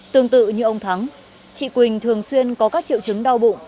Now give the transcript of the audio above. tương tự như ông thắng chị quỳnh thường xuyên có các triệu chứng đau bụng